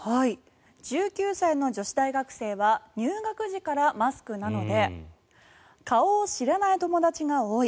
１９歳の女子大学生は入学時からマスクなので顔を知らない友達が多い。